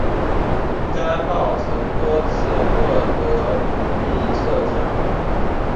该报曾多次获得普利策奖。